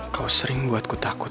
kau sering buatku takut